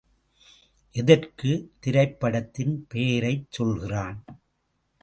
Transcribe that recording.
எதற்கு? திரைப்படத்தின் பெயரைச் சொல்கிறான்.